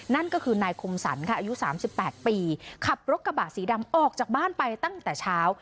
นั่นก็คือนายคมสรรค่ะอายุ๓๘ปีขับรถกระบะสีดำออกจากบ้านไปตั้งแต่เช้า